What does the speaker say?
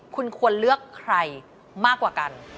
คุณควรเลือกใครมากกว่ากัน